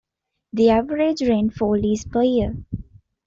The average rainfall is per year.